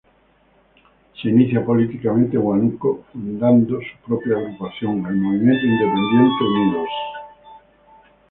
Se inicia políticamente en Huánuco fundando su propia agrupación, el Movimiento Independiente Unidos.